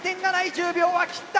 １０秒は切った。